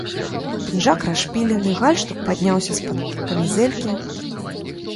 Пінжак расшпілены, гальштук падняўся з-пад камізэлькі.